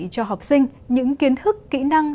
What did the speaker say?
cho học sinh những kiến thức kỹ năng